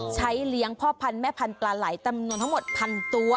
เลี้ยงพ่อพันธุ์แม่พันธุ์ปลาไหลจำนวนทั้งหมดพันตัว